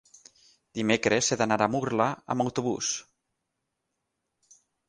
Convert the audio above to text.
Dimecres he d'anar a Murla amb autobús.